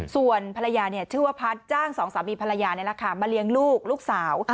ส่วนภรรยาชื่อว่าพัฒน์จ้างสองสามีภรรยามาเลี้ยงลูกลูกสาว